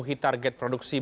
m internet india